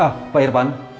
ah pak irvan